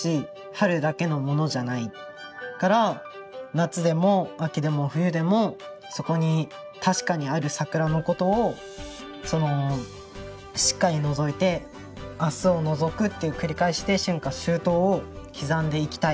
夏でも秋でも冬でもそこに確かにある桜のことをしっかりのぞいて「明日をのぞく」っていう繰り返しで「春夏秋冬」を刻んでいきたい。